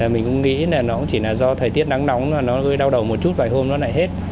mình cũng nghĩ là nó chỉ là do thời tiết nắng nóng nó đau đầu một chút vài hôm nó lại hết